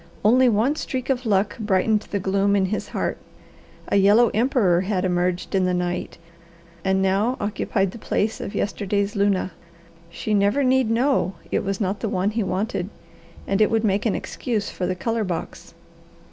Only one streak of luck brightened the gloom in his heart. A yellow emperor had emerged in the night, and now occupied the place of yesterday's luna. She never need know it was not the one he wanted, and it would make an excuse for the colour box.